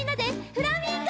フラミンゴ。